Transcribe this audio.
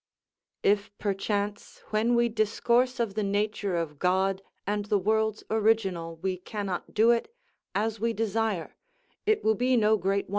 _ "If perchance, when we discourse of the nature of God, and the world's original, we cannot do it as we desire, it will be no great wonder.